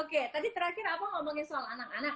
oke tadi terakhir apa ngomongin soal anak anak